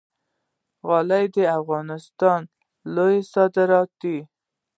غالۍ د افغانستان لوی صادرات دي